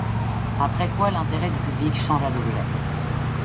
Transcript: Après quoi, l’intérêt du public changea d’objet.